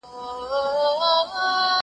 ورته ډيري نوري بېلګي هم سته چي پښتو یې ګاني